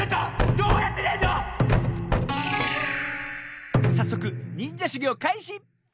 どうやってでんの⁉さっそくにんじゃしゅぎょうかいし！